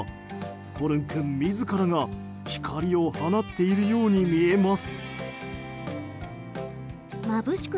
ホルン君、自らが光を放っているように見えます。